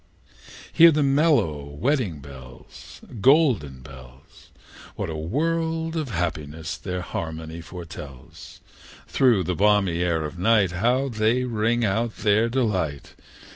II. Hear the mellow wedding bells, Golden bells! What a world of happiness their harmony foretells! Through the balmy air of night How they ring out their delight!